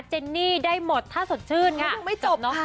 เจนนี่ได้หมดท่าสดชื่นจังค่ะยังไม่จบค่ะน้อง